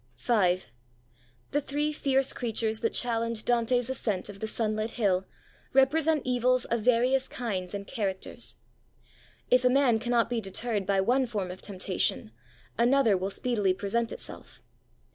V The three fierce creatures that challenged Dante's ascent of the sunlit hill represent evils of various kinds and characters. If a man cannot be deterred by one form of temptation, another will speedily present itself.